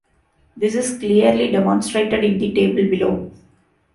This is clearly demonstrated in the table below.